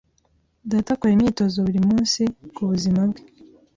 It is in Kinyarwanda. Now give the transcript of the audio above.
Data akora imyitozo buri munsi kubuzima bwe.